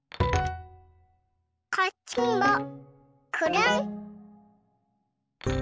こっちもくるん。